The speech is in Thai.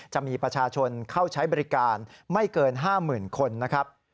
จะมีประชาชนเข้าใช้บริการไม่เกิน๕๐๐๐คนนะครับ